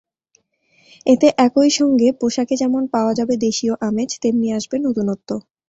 এতে একই সঙ্গে পোশাকে যেমন পাওয়া যাবে দেশীয় আমেজ, তেমনি আসবে নতুনত্ব।